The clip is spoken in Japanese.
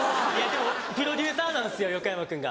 でもプロデューサーなんですよ横山君が。